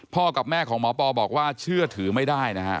กับแม่ของหมอปอบอกว่าเชื่อถือไม่ได้นะฮะ